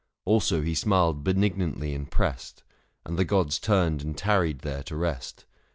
Also he smiled benignantly and pressed; 570 And the gods turned and tarried there to rest.